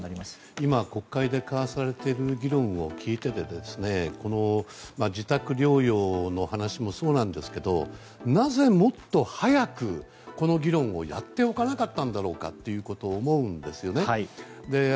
今、国会で交わされている議論を聞いていて自宅療養の話もそうなんですがなぜ、もっと早くこの議論をやっておかなかったんだろうかと思うんですよね。